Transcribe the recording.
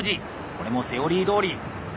これもセオリーどおり。